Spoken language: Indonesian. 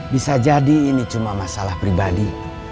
bisa jadi ini cuma masalah pribadi